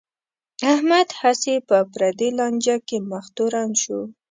احمد هسې په پردی لانجه کې مخ تورن شو.